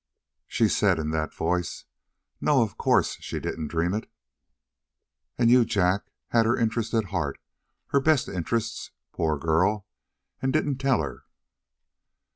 She said in that voice: "No; of course she didn't dream it." "And you, Jack, had her interests at heart her best interests, poor girl, and didn't tell her?"